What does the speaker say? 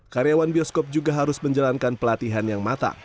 karyawan bioskop juga harus menjalankan pelatihan yang matang